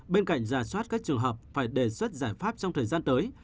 bên cạnh giả soát các trường hợp phải đề xuất giải pháp trong thời gian tới